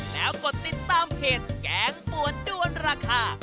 แล้วกดติดตามเพจแกงป่วนด้วนราคา